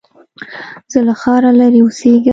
زه له ښاره لرې اوسېږم